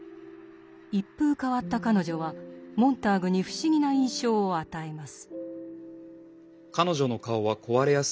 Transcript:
一風変わった彼女はモンターグに不思議な印象を与えます。